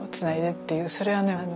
それはね